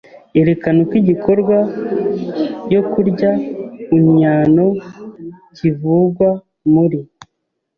Erekana uko igikorwa yo kurya uunnyano kivugwa muri